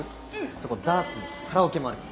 そこダーツもカラオケもあるよ。